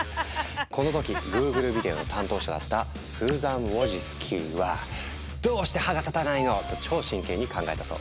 この時Ｇｏｏｇｌｅビデオの担当者だったスーザン・ウォジスキは「どうして歯が立たないの？」と超真剣に考えたそう。